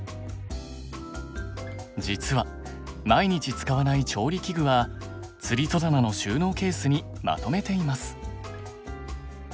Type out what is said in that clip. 実は毎日使わない調理器具はつり戸棚の収納ケースにまとめています。